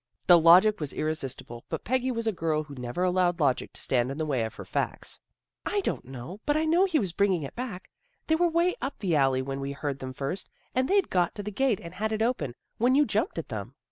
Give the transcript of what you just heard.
" The logic was irresistible, but Peggy was a girl who never allowed logic to stand in the way of her facts. " I don't know. But I know he was bring ing it back. They were way up the alley when we heard them first, and they'd got to the gate and had it open, when you jumped at them."